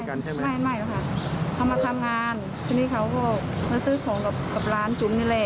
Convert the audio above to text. เขามาทำงานทีนี้เขาก็มาซื้อของกับร้านจุงนี่เลย